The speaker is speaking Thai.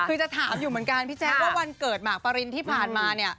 คือจะถามอยู่เหมือนกันพี่แจ๊คว่าวันเกิดหมากปรินที่ผ่านมาเนี่ย